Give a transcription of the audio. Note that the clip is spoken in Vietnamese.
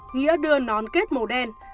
nghĩa đưa nón kết màu đen